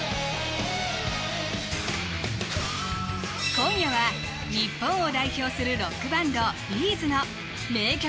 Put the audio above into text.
今夜は日本を代表するロックバンド「Ｂ’ｚ」の名曲